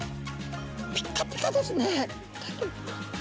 ピカピカですね。